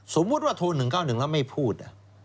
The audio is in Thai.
สมมุติว่าโทร๑๙๑แล้วไม่พูด